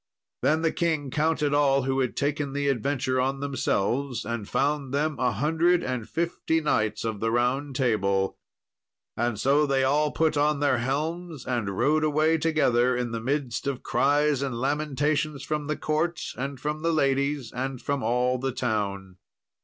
Then the king counted all who had taken the adventure on themselves, and found them a hundred and fifty knights of the Round Table; and so they all put on their helms, and rode away together in the midst of cries and lamentations from the court, and from the ladies, and from all the town.